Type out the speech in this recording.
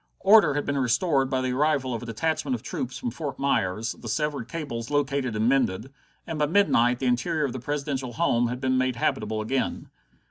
Order had been restored by the arrival of a detachment of troops from Fort Myers, the severed cables located and mended, and by midnight the interior of the Presidential home had been made habitable again.